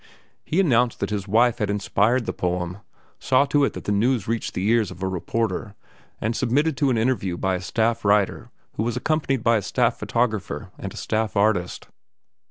He announced that his wife had inspired the poem, saw to it that the news reached the ears of a reporter, and submitted to an interview by a staff writer who was accompanied by a staff photographer and a staff artist.